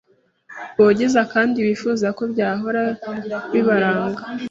bogeza kandi bifuza ko byahora bibaranga,